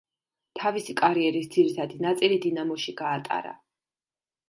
თავისი კარიერის ძირითადი ნაწილი დინამოში გაატარა.